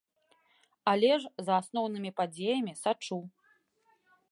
Але ж за асноўнымі падзеямі сачу.